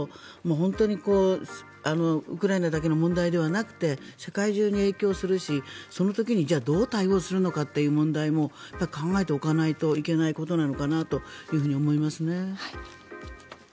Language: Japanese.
本当にウクライナだけの問題ではなくて世界中に影響するし、その時にどう対応するのかという問題も考えておかないといけないことかなと思いますね。